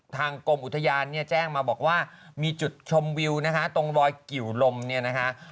ทางกลมอุทยานแจ้งมาบอกว่ามีจุดชอบวิวนะคะตรงลอยเกี่ยวลมเนี่ยนะคะ